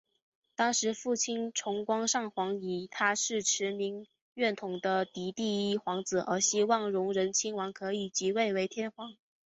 当时父亲崇光上皇以他是持明院统的嫡第一皇子而希望荣仁亲王可以即位为天皇。